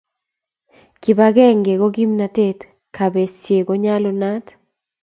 kibagenge ko kimnatet, kabesie ko nyalulnat